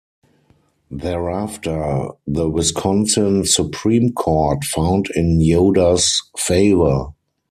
Thereafter the Wisconsin Supreme Court found in Yoder's favor.